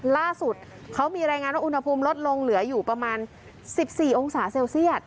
ล่าสุดเขามีรายงานว่าอุณหภูมิลดลงเหลืออยู่ประมาณ๑๔องศาเซลเซียต